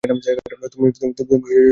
তুমি ঠিক কাজটাই করেছ।